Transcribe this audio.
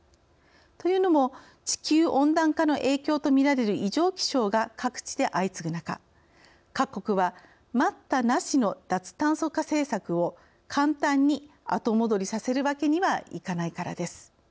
というのも地球温暖化の影響とみられる異常気象が各地で相次ぐ中各国は待ったなしの脱炭素化政策を簡単に後戻りさせるわけにはいかないからです。